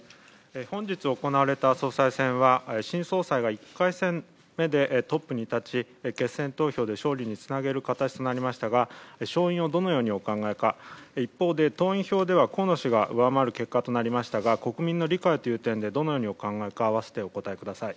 本日行われた総裁選は、新総裁が１回戦目でトップに立ち、決選投票で勝利につなげる形となりましたが、勝因をどのようにお考えか、一方で、党員票では河野氏が上回る結果となりましたが、国民の理解という点でどのようにお考えか併せてお答えください。